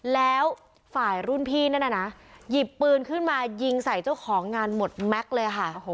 แล้วฝ่ายรุ่นพี่นั่นน่ะนะหยิบปืนขึ้นมายิงใส่เจ้าของงานหมดแม็กซ์เลยค่ะ